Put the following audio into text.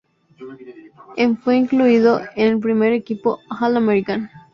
En fue incluido en el primer equipo All-American.